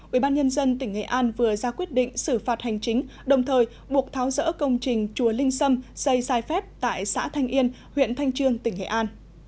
ubnd tỉnh nghệ an vừa ra quyết định xử phạt hành chính đồng thời buộc tháo rỡ công trình chùa linh sâm xây sai phép tại xã thanh yên huyện thanh trương tỉnh nghệ an